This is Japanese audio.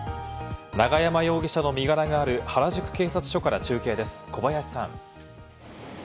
永山容疑者の身柄がある原宿警察署から中継です、小林さん。